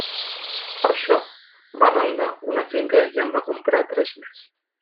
Per això va arrendar una finca i en va comprar tres més.